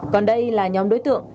còn đây là nhóm đối tượng